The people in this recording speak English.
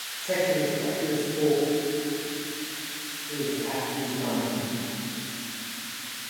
Trekking is popular sport is at these mountains.